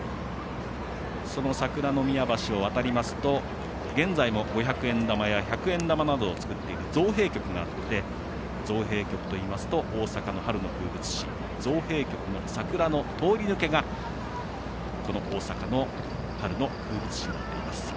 その桜宮橋を渡りますと現在も五百円玉や百円玉などを作っている造幣局があって造幣局といいますと大阪の春の風物詩造幣局の桜の通り抜けがこの大阪の春の風物詩になっています。